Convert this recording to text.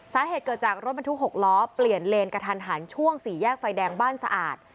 สาเหตุเกิดจากรถบรรทุก๖ล้อเปลี่ยนเลนกระทันหันช่วงสี่แยกไฟแดงบ้านสะอาด